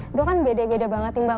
itu kan beda beda banget nih mbak